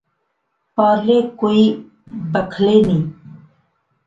پارلے کوئی بکھلے نئیں